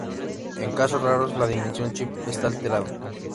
En casos raros, la dimensión chip está alterado.